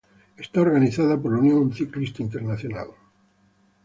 Era organizada por la Unión Ciclista Internacional.